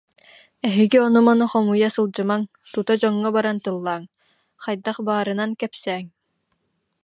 Эһиги ону-маны хомуйа сылдьымаҥ, тута дьоҥҥо баран тыллааҥ, хайдах баарынан кэпсээҥ